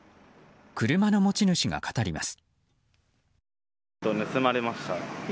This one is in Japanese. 車の持ち主が語ります。